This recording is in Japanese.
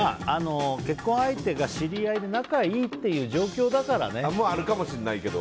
結婚相手が知り合いで仲がいいっていうそれもあるかもしれないけど。